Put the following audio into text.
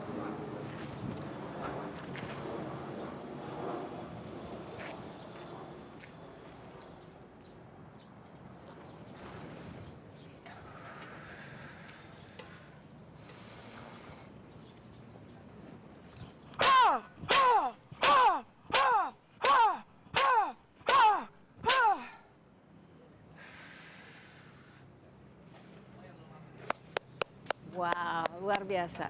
wow luar biasa